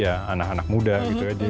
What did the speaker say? ya anak anak muda gitu aja